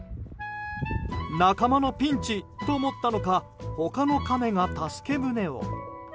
仲間のピンチと思ったのか他のカメが助け舟を。